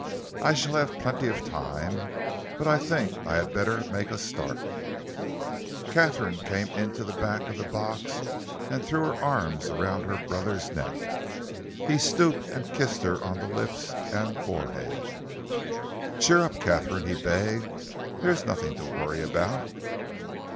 "I shall have plenty of time, but I think I had better make a start." Katharine came into the back of the box and threw her arms around her brother's neck. He stooped and kissed her on the lips and forehead. "Cheer up, Katharine," he begged. "There is nothing to worry about."